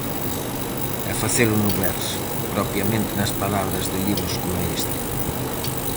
E facelo no verso, propiamente nas palabras de libros coma este.